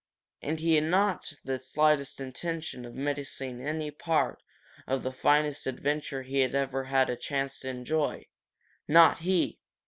And he had not the slightest intention of missing any part of the finest adventure he had ever had a chance to enjoy not he!